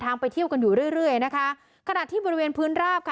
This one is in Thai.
ไปเที่ยวกันอยู่เรื่อยเรื่อยนะคะขณะที่บริเวณพื้นราบค่ะ